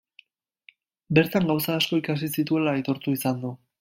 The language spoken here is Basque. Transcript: Bertan gauza asko ikasi zituela aitortu izan du.